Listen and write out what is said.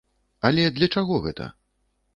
Але для чаго гэта?